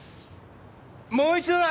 もう一度だ！